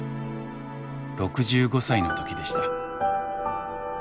６５歳の時でした。